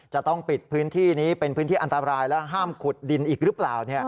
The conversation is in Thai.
จะต้องปิดพื้นที่นี้เป็นพื้นที่อันตรายและห้ามขุดดินอีกหรือเปล่า